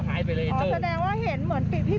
หายลึกลับไป